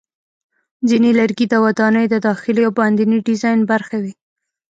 ځینې لرګي د ودانیو د داخلي او باندني ډیزاین برخه وي.